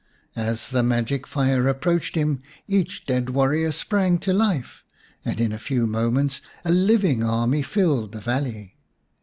As the magic fire approached him, each dead warrior sprang to life, and in a few moments a living army filled the valley.